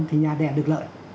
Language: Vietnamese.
thì nhà đẻ được lợi